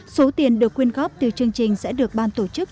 số tiền được quyên góp từ chương trình sẽ được ban tổ chức